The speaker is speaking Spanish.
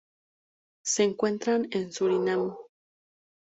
Se encuentra en Surinam.